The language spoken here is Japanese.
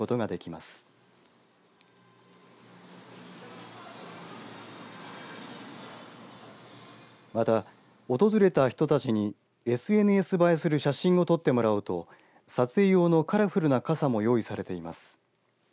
また、訪れた人たちにＳＮＳ映えする写真を撮ってもらおうと撮影用のカラフルな傘も用意されています。